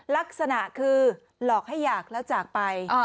ลักษณะคือหลอกให้อยากแล้วจากไป